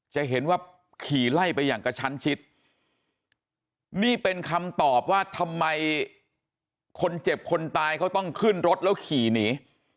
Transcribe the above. จะเห็นว่าขี่ไล่ไปอย่างกระชั้นชิดนี่เป็นคำตอบว่าทำไมคนเจ็บคนตายเขาต้องขึ้นรถแล้วขี่หนี